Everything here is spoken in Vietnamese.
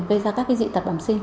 gây ra các dị tật bẩm sinh